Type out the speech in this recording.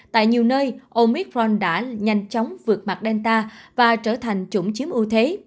tại nhiều nơi omitron đã nhanh chóng vượt mặt delta và trở thành chủng chiếm ưu thế